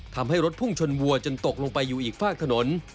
ทำให้รถพุ่งชนวัวจนตกลงไปอยู่อีกฝากถนน